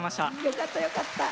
よかったよかった。